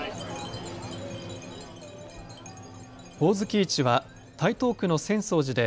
ほおずき市は台東区の浅草寺で